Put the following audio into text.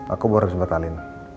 aku baru bisa bertalin